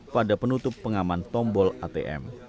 pada penutup pengaman tombol atm